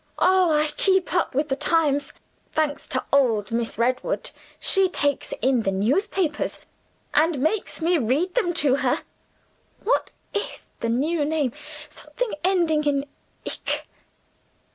Oh, I keep up with the times, thanks to old Miss Redwood! She takes in the newspapers, and makes me read them to her. What is the new name? Something ending in ic.